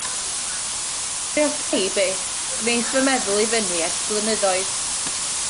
Phrioda i byth, gwnes fy meddwl i fyny ers blynyddoedd.